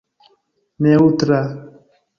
neŭtra